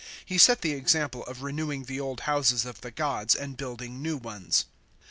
He set the example of renewing the old houses of the gods, and building new ones.